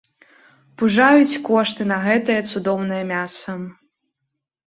Пужаюць кошты на гэтае цудоўнае мяса!